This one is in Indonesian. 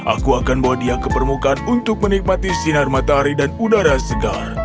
aku akan bawa dia ke permukaan untuk menikmati sinar matahari dan udara segar